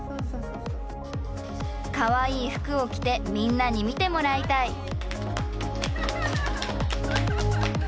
かわいい服を着てみんなに見てもらいたい！